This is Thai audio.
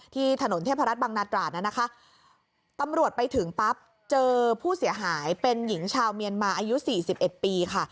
ที่ถนนเทพรัฐบังนาตราดน่ะนะคะตำรวจไปถึงปั๊บเจอผู้เสียหายเป็นหญิงชาวเมียนมาอายุสี่สิบเอ็ดปีค่ะ